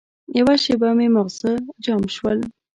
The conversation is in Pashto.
یوه شېبه مې ماغزه جام شول.